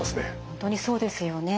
本当にそうですよね。